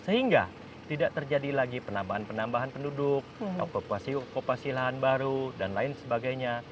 sehingga tidak terjadi lagi penambahan penambahan penduduk okupasi lahan baru dan lain sebagainya